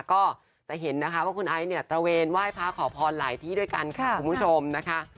ก็จะเห็นนะคะว่าคุณไอซ์เนี่ยตระเวนไหว้พระขอพรหลายที่ด้วยกันค่ะคุณผู้ชมนะคะ